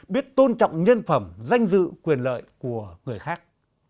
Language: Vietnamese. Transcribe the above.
biết tôn trọng nhân phẩm danh dự quyền lợi của người khác